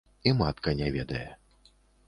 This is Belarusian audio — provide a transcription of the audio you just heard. І матка не ведае.